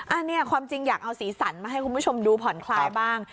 อันนี้ความจริงอยากเอาสีสันมาให้คุณผู้ชมดูผ่อนคลายบ้าง